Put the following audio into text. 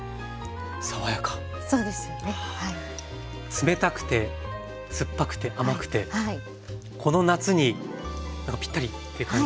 冷たくて酸っぱくて甘くてこの夏にぴったりという感じですね。